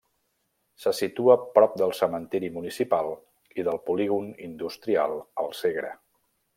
Se situa prop del cementiri municipal i del Polígon Industrial El Segre.